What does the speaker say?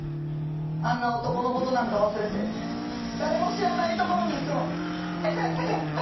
あんな男のことなんか忘れて誰も知らない所に行くの。